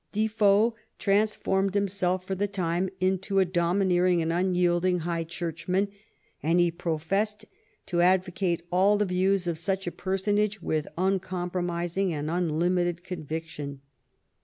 Defoe transformed himself, for the time, into a domineering and unyielding High Churchman, and he professed to advocate all the views of such a personage with uncompromising and un limited conviction.